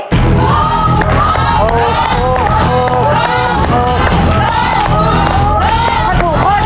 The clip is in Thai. ถ้าถูกข้อนี้ก็หนึ่งหมื่นหวานแล้วนะครับ